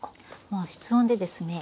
もう室温でですね